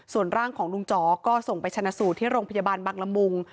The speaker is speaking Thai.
ส่วนร่างของลุงจ๋อก็ส่งไปชนะสูตรที่โรงพยาบาลบังละมุง